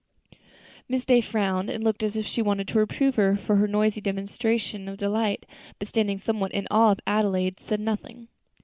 Miss Day frowned, and looked as if she wanted to reprove her for her noisy demonstrations of delight, but, standing somewhat in awe of Adelaide, said nothing.